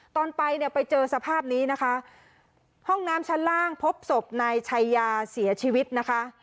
ตอนไปเนี่ยไปเจอสภาพนี้นะคะห้องน้ำชั้นล่างพบศพนายชัยยาเสียชีวิตนะคะ